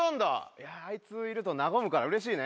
いやあいついると和むからうれしいね。